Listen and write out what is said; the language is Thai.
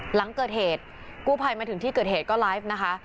หลังเกิดเหตุกู้ภัยมาถึงที่เกิดเหตุก็ไลฟ์นะคะ